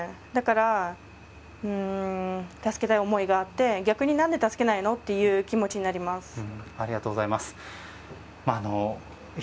だから、助けたい思いがあって逆に何で助けないの？という気持ちになります。